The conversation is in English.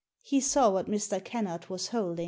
He saw what Mr. Kennard was holding.